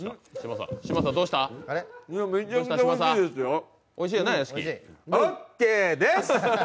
ＯＫです！